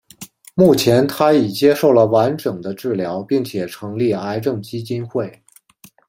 目前她已接受了完整的治疗并且成立癌症基金会。